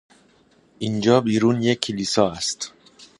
اینجا بیرون یک کلیسا است.